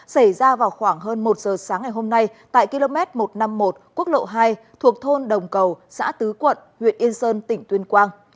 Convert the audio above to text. xảy ra vào khoảng hơn một giờ sáng ngày hôm nay tại km một trăm năm mươi một quốc lộ hai thuộc thôn đồng cầu xã tứ quận huyện yên sơn tỉnh tuyên quang